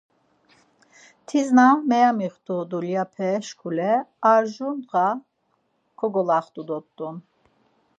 Tis na meyemixtu dulyape şkule, arjur ndğa kogolaxtu dort̆un.